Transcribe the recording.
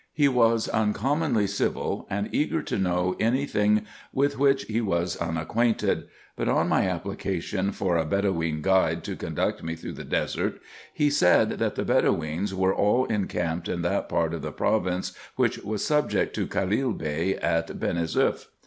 He was uncommonly civiL and eager to know any thing with which he was unacquainted ; but, on my application for 392 RESEARCHES AND OPERATIONS a Bedoween guide to conduct me through the desert, he said that the Bedoweens were all encamped in that part of the province which was subject to Khalil Bey at Benisoeuf.